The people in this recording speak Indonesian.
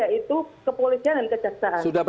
baik pelapor telapor saksi maupun ahli